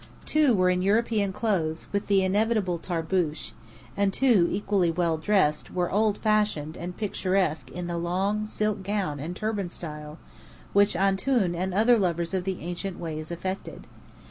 Two were in European clothes, with the inevitable tarboosh; and two, equally well dressed, were old fashioned and picturesque in the long, silk gown and turban style which "Antoun" and other lovers of the ancient ways affected.